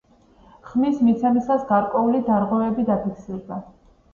ხმის მიცემისას გარკვეული დარღვევები დაფიქსირდა.